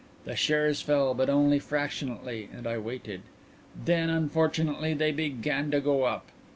The shares fell, but only fractionally, and I waited. Then, unfortunately, they began to go up.